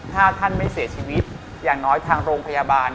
ถ้าท่านไม่เสียชีวิตอย่างน้อยทางโรงพยาบาล